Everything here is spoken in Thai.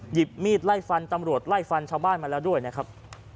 หยิบมีดไล่ฟันตำรวจไล่ฟันชาวบ้านมาแล้วด้วยนะครับ